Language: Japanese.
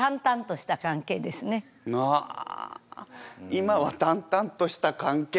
「今は淡々とした関係」。